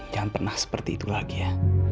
jangan pernah seperti itu lagi ya